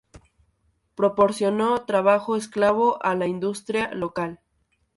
Proporcionó trabajo esclavo a la industria local.